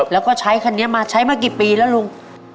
แล้วก็ใช้คันนี้มาใช้มากี่ปีแล้วลุง